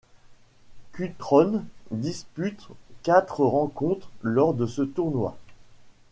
Cutrone dispute quatre rencontres lors de ce tournoi.